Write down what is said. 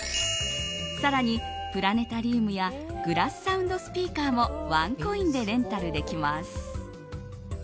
更に、プラネタリウムやグラスサウンドスピーカーもワンコインでレンタルできます。